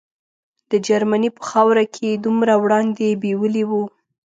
د جرمني په خاوره کې یې دومره وړاندې بیولي وو.